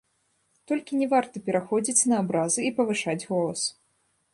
Толькі не варта пераходзіць на абразы і павышаць голас.